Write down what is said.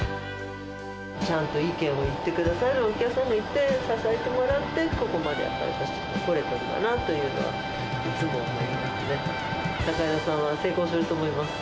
ちゃんと意見を言ってくださるお客さんもいて、支えてもらって、ここまで私たちも来れたんだなっていうのは、いつも思ってますね。